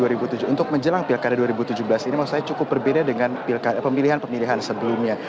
dua ribu tujuh belas ini maksud saya cukup berbeda dengan pemilihan pemilihan sebelumnya